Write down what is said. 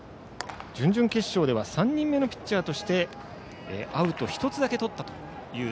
準々決勝では３人目のピッチャーとしてアウト１つだけとったという